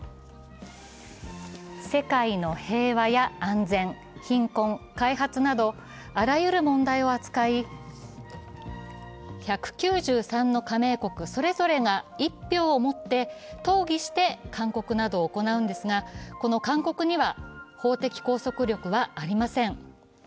世界の平和や安全、貧困、開発など、あらゆる問題を扱い、１９３の加盟国それぞれが１票を持って討議して、勧告などを行うんですがこの勧告には法的拘束力はありません。